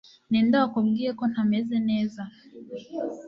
Ninde wakubwiye ko ntameze neza?